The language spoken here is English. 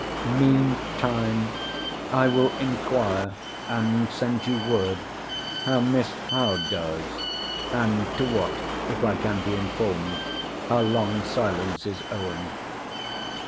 Mean time I will inquire, and send you word, how Miss Howe does; and to what, if I can be informed, her long silence is owing.